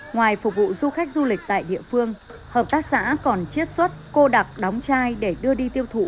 ngoài phục vụ du khách du lịch tại địa phương hợp tác xã còn chiết xuất cô đặc đóng chai để đưa đi tiêu thụ